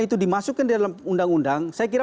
itu dimasukkan di dalam undang undang saya kira